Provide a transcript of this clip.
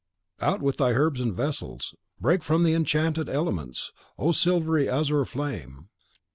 Out with thy herbs and vessels. Break from the enchanted elements, O silvery azure flame!